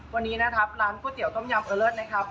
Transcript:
วันนี้นะครับร้านก๋วยเตี๋ต้มยำเออเลิศนะครับ